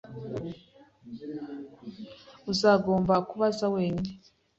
Uzagomba kubaza wenyine.